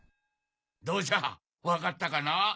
どうじゃ分かったかな？